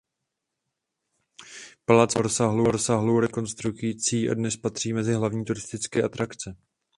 Palác prošel rozsáhlou rekonstrukcí a dnes patří mezi hlavní turistické atrakce.